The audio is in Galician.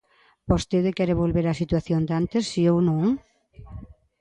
Vostede quere volver á situación de antes, ¿si ou non?